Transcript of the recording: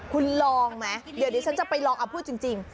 คุณลองไหมเดี๋ยวหนีไปลองพูดจริง